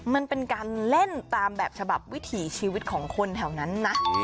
มันเป็นการเล่นตามแบบฉบับวิถีชีวิตของคนแถวนั้นนะ